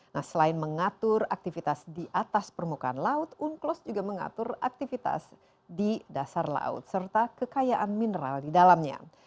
nah selain mengatur aktivitas di atas permukaan laut unclos juga mengatur aktivitas di dasar laut serta kekayaan mineral di dalamnya